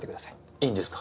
いいんですか？